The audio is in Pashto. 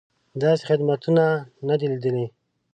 داسې خدمتونه نه دي لیدلي.